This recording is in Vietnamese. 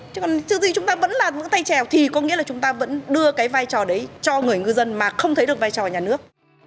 chứ còn trước gì chúng ta vẫn là những tay trèo thì có nghĩa là chúng ta vẫn đưa cái vai trò đấy cho người ngư dân mà không thấy được vai trò nhà nước